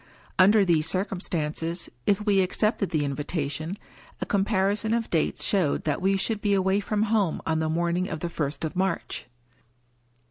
Under these circumstances, if we accepted the invitation, a comparison of dates showed that we should be away from home on the morning of the first of March.